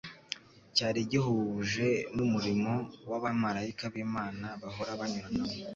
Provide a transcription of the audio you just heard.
Cyari gihuje n’umurimo w’abamarayika b’Imana bahora banyuranamo